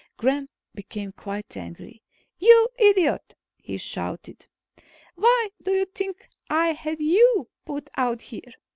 Gremm became quite angry. "You idiot," he shouted. "Why do you think I had you put out here?